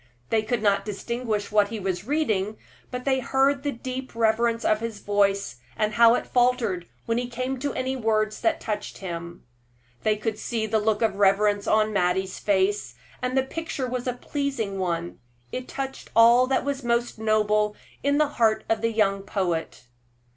They could not distinguish what he was reading, but they heard the deep reverence of his voice, and how it faltered when he came to any words that touched him. They could see the look of reverence on Mattie's face, and the picture was a pleasing one it touched all that was most noble in the heart of the young poet.